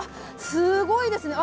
すごいですね！